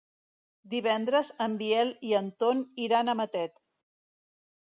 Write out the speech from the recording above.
Divendres en Biel i en Ton iran a Matet.